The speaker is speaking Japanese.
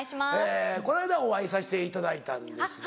この間お会いさせていただいたんですよね。